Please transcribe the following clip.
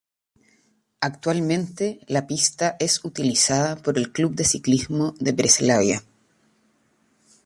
Actualmente la pista es utilizada por el club de ciclismo de Breslavia.